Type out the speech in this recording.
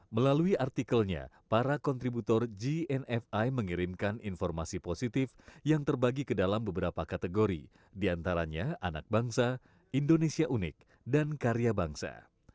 melalui artikelnya para kontributor gnfi mengirimkan informasi positif yang terbagi ke dalam beberapa kategori diantaranya anak bangsa indonesia unik dan karya bangsa